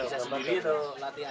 bisa sendiri atau latihan